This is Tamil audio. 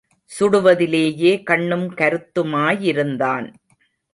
சுடுவதிலேயே கண்ணும் கருத்துமாயிருந்தான்.